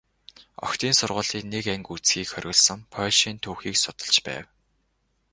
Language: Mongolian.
Охидын сургуулийн нэг анги үзэхийг хориглосон польшийн түүхийг судалж байв.